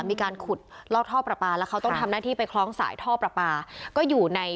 มีการขุดลอกท่อประปาแล้วเขาต้องทำหน้าที่ไปคล้องสายท่อประปาก็อยู่ใน